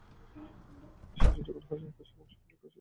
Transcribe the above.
শেষে যখন খাসির মাংস দেওয়া হলো খাসির একটা হাড় গলায় আটকে উনি মারা গেলেন।